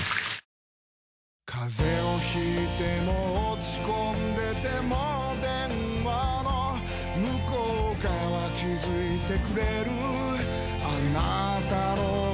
風邪を引いても落ち込んでても電話の向こう側気付いてくれるあなたの声